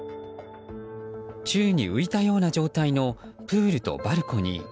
宙に浮いた状態のプールとバルコニー。